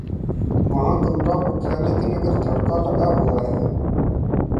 وہاں کمرہ بک ہے لیکن اگر دھڑکا لگا ہوا ہے۔